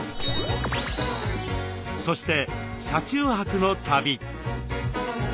そして車中泊の旅。